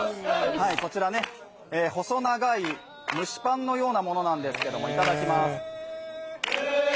こちら、細長い蒸しパンのようなものなんですが、いただきます。